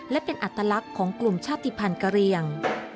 และเป็นอัตลักษณ์ของกลุ่มชาติภัณฑ์กะเรียง